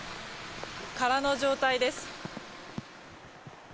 空の状態です。